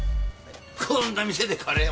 こんな店でカレー。